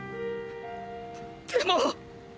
でも！！